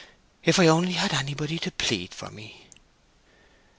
If I only had anybody to plead for me!"